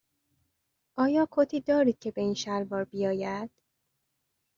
آیا کتی دارید که به این شلوار بیاید؟